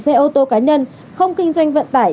xe ô tô cá nhân không kinh doanh vận tải